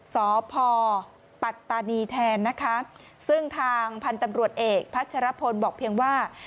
สพปัตตานีแทนนะคะซึ่งทางพันธุ์ตำรวจเอกพัชรพลบอกเพียงว่า